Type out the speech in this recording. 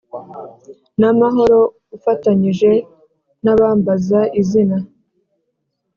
n amahoro ufatanyije n abambaza izina